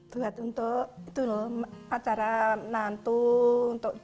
tidak untuk itu lho